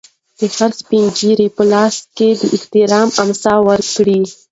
د هر سپین ږیري په لاس کې د احترام امسا ورکړئ.